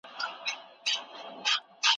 مثنوي معنوي د علماوو لپاره د دیني نصاب برخه